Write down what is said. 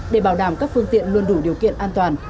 để bảo đảm các phương tiện luôn đủ điều kiện an toàn